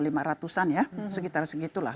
lima ratusan ya sekitar segitulah